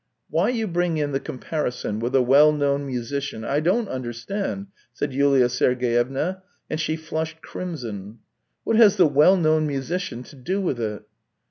" Why you bring in the comparison with a well known musician I don't understand !" said Yulia Sergeyevna, and she flushed crimson. " What has the well known musician to do with it